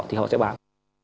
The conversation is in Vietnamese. thì họ sẽ bán